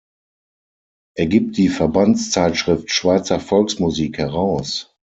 Er gibt die Verbandszeitschrift "Schweizer Volksmusik" heraus.